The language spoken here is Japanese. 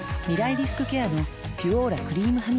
リスクケアの「ピュオーラ」クリームハミガキ